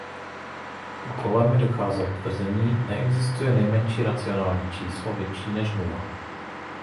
Úkolem je dokázat tvrzení „neexistuje nejmenší racionální číslo větší než nula“.